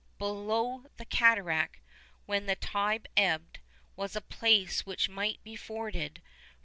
Below the cataract, when the tide ebbed, was a place which might be forded.